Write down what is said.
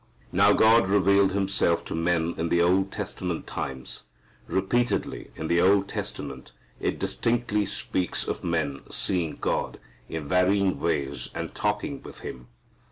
Now God revealed Himself to men in the Old Testament times. Repeatedly in the Old Testament it distinctly speaks of men seeing God in varying ways and talking with Him.